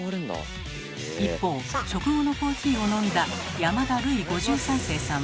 一方食後のコーヒーを飲んだ山田ルイ５３世さんは。